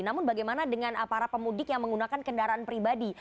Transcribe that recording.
namun bagaimana dengan para pemudik yang menggunakan kendaraan pribadi